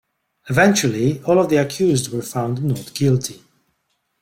Eventually, all of the accused were found not guilty.